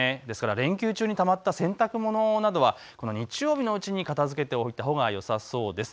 連休中にたまった洗濯物などは日曜日のうちに片づけておいたほうがよさそうです。